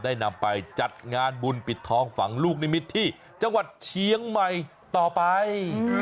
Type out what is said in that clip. นำไปจัดงานบุญปิดทองฝังลูกนิมิตรที่จังหวัดเชียงใหม่ต่อไป